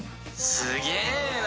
すげえな。